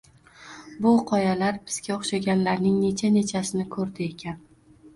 Bu qoyalar bizga o‘xshaganlarning necha-nechasini ko‘rdi ekan?